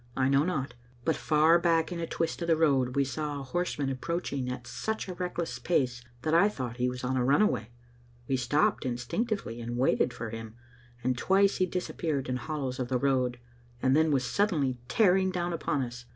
I know not. But far back in a twist of the road we saw a horseman ap proaching at such a reckless pace that I thought he was on a runaway. We stopped instinctively, and waited for him, and twice he disappeared in hollows of the road, and then was suddenly tearing down upon us.